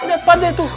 liat pade tuh